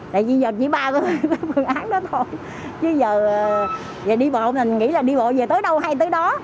tại vì giờ chỉ ba phần án đó thôi chứ giờ đi bộ mình nghĩ là đi bộ về tới đâu hay tới đâu